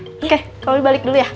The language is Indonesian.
oke kamu balik dulu ya